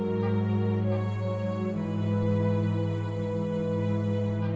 jantung pasien sedang melemah